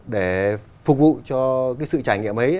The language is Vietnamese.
để phục vụ cho cái sự trải nghiệm ấy